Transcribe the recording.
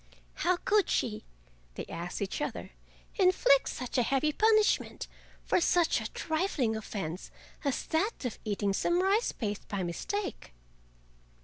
"How could she," they asked each other, "inflict such a heavy punishment for such a trifling offense as that of eating some rice paste by mistake?"